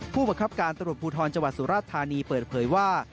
ผู้ประคับการตรวจภูทรจวัดสุราชธานีเปิดเผยว่า